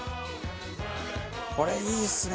これいいですね！